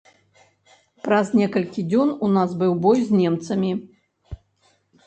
Праз некалькі дзён у нас быў бой з немцамі.